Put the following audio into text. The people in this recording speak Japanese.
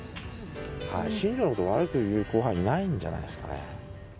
新庄のこと悪く言う後輩いないんじゃないですかね。